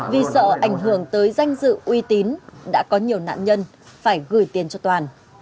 vì sợ ảnh hưởng tới danh dự uy tín đã có nhiều nạn nhân phải gửi tiền cho toàn